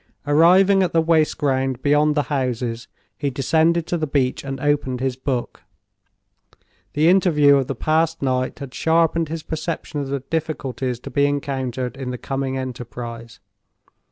Arriving at the waste ground beyond the houses, he descended to the beach and opened his book. The interview of the past night had sharpened his perception of the difficulties to be encountered in the coming enterprise.